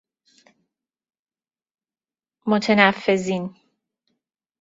متنفذین